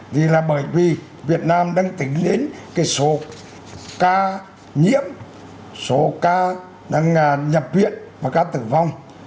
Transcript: vì là bởi vì việt nam đang tính đến cái số ca nhiễm số ca đang nhập viện và ca tử vong